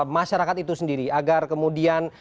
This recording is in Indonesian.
masyarakat itu sendiri agar kemudian